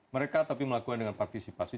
mereka tapi melakukan dengan partisipasi